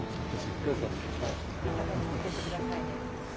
どうぞ。